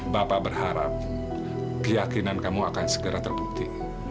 bapak berharap keyakinan kamu akan segera terbukti